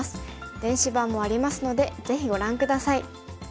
電子版もありますのでぜひご覧下さい。